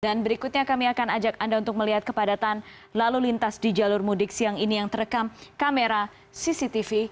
dan berikutnya kami akan ajak anda untuk melihat kepadatan lalu lintas di jalur mudik siang ini yang terekam kamera cctv